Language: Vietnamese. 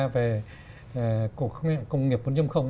về công nghiệp bốn